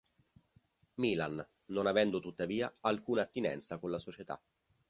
Milan, non avendo tuttavia alcuna attinenza con la società.